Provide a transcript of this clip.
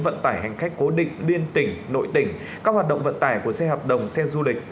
vận tải hành khách cố định liên tỉnh nội tỉnh các hoạt động vận tải của xe hợp đồng xe du lịch